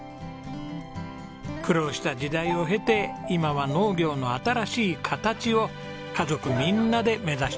苦労した時代を経て今は農業の新しい形を家族みんなで目指しています。